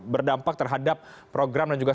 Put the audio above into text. berdampak terhadap program dan juga